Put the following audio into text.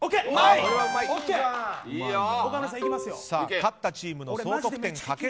勝ったチームの総得点かける